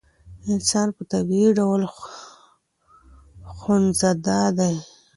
انسان په طبعي ډول خوځنده دی.